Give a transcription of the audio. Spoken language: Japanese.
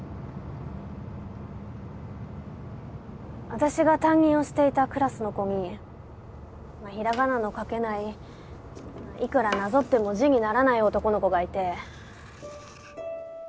私が担任をしていたクラスの子にひらがなの書けないいくらなぞっても字にならない男の子がいて。